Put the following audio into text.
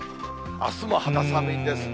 あすも肌寒いんですね。